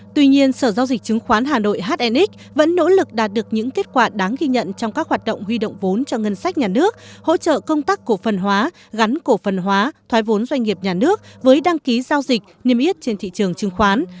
tuy nhiên sở giao dịch chứng khoán hà nội hnx vẫn nỗ lực đạt được những kết quả đáng ghi nhận trong các hoạt động huy động vốn cho ngân sách nhà nước hỗ trợ công tác cổ phần hóa gắn cổ phần hóa thoái vốn doanh nghiệp nhà nước với đăng ký giao dịch niêm yết trên thị trường chứng khoán